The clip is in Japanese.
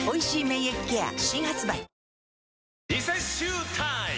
リセッシュータイム！